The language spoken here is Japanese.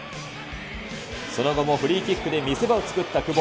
その後もフリーキックで見せ場を作った久保。